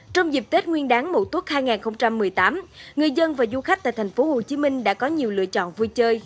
trong dịp tết nguyên đáng mùa tuốt hai nghìn một mươi tám người dân và du khách tại thành phố hồ chí minh đã có nhiều lựa chọn vui chơi